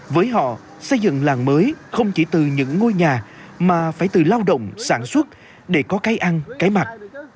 với họ xây dựng làng mới không chỉ từ những ngôi nhà mà phải từ lao động sản xuất để có cái ăn cái mặt